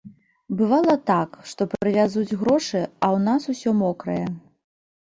Бывала так, што прывязуць грошы, а ў нас усё мокрае.